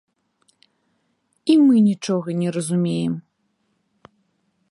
І мы нічога не разумеем!